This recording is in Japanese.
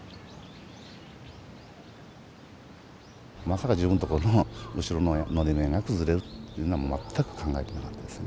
まさか自分のとこの後ろののり面が崩れるっていうのは全く考えていなかったですね。